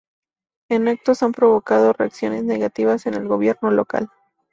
Estos actos han provocado reacciones negativas en el gobierno local.